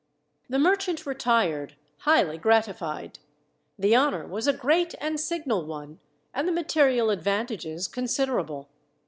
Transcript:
The merchant retired, highly gratified. The honour was a great and signal one, and the material advantages considerable.